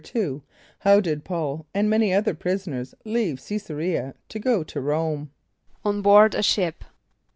= How did P[a:]ul and many other prisoners leave Ç[)æ]s a r[=e]´[.a] to go to R[=o]me? =On board a ship.